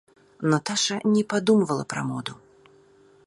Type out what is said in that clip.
Наташа не падумвала пра моду.